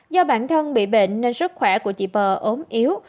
do bản thân bị bệnh nên sức khỏe của chị p ốm yếu